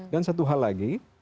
dan satu hal lagi